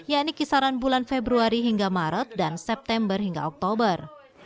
yang di atasnya yakni kisaran bulan februari hingga maret dan september hingga oktober